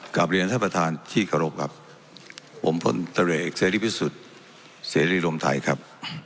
กราบเรียนท่านประธานที่ขอรบครับผมพลตะเลเซริฟิสุทธิ์เซริฟิสุทธิ์โรมไทยครับ